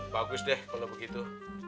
bagus deh kalau begitu